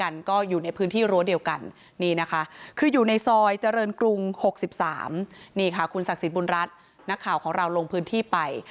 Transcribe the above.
นี่ค่ะคุณศักดิ์สิทธิบุญรัฐนักข่าวของเราลงพื้นที่ไป